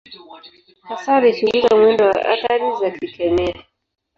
Hasa alichunguza mwendo wa athari za kikemia.